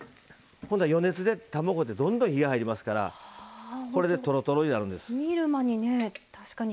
余熱で卵ってどんどん火が入りますからこれで、とろとろになります。